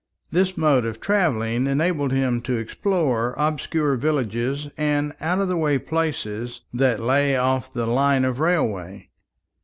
This mode of travelling enabled him to explore obscure villages and out of the way places that lay off the line of railway.